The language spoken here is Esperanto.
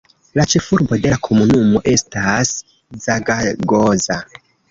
La ĉefurbo de la komunumo estas Zaragoza.